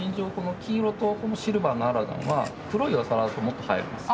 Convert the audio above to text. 金色とシルバーのアラザンは黒いお皿だともっと映えるんですよ。